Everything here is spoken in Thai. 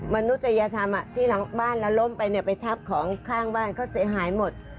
มนุษยธรรมที่หลังบ้านแล้วล้มไปเนี่ยไปทับของข้างบ้านเขาเสียหายหมด